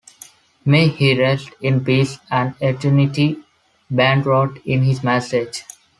May he rest in peace and eternity, Ban wrote in his message.